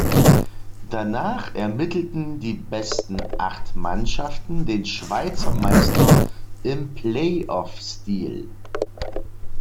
Danach ermittelten die besten acht Mannschaften den Schweizer Meister im Play-off-Stil.